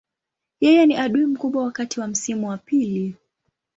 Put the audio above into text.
Yeye ni adui mkubwa wakati wa msimu wa pili.